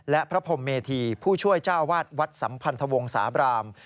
และพระพรมเมธีผู้ช่วยเจ้าอาวาสวัดสัมพันธวงศาบราม